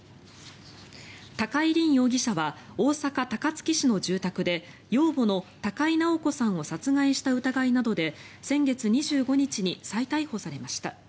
高井凜容疑者は大阪・高槻市の住宅で養母の高井直子さんを殺害した疑いなどで先月２５日に再逮捕されました。